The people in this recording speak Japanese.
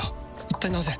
一体なぜ